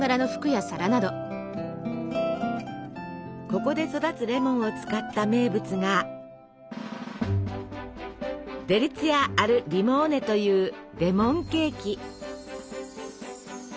ここで育つレモンを使った名物が「デリツィアアルリモーネ」というレモンケーキ。